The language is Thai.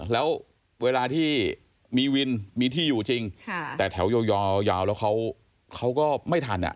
แล้วเวลาที่มีวินมีที่อยู่จริงแต่แถวยาวแล้วเขาก็ไม่ทัน